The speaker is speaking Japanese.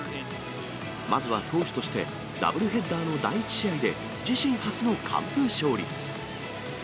まずは投手として、ダブルヘッダーの第１試合で、自身初の完封勝利。